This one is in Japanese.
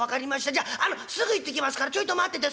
じゃあのすぐ行ってきますからちょいと待ってて。